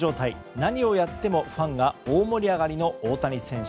何をやってもファンが大盛り上がりの大谷選手。